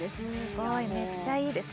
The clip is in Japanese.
すごいめっちゃいいです